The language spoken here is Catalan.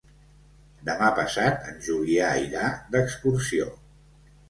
Demà passat en Julià irà d'excursió.